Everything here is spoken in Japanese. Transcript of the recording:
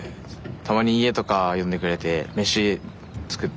たまに家とか呼んでくれて飯作ってくれたり。